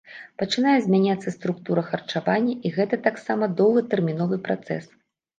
Пачынае змяняцца структура харчавання, і гэта таксама доўгатэрміновы працэс.